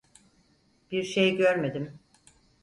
Bir şey görmedim.